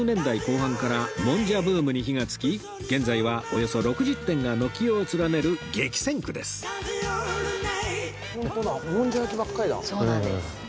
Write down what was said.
代後半からもんじゃブームに火がつき現在はおよそ６０店が軒を連ねる激戦区です